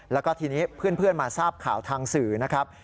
แล้วก็ทีนี้เพื่อนมาทราบข่าวทางสื่อนะครับ